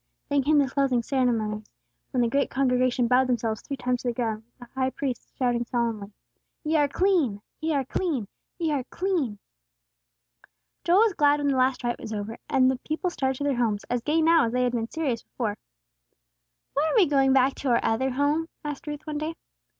Then came the closing ceremonies, when the great congregation bowed themselves three times to the ground, with the High Priest shouting solemnly, "Ye are clean! Ye are clean! Ye are clean!" Joel was glad when the last rite was over, and the people started to their homes, as gay now as they had been serious before. "When are we going back to our other home?" asked Ruth, one day.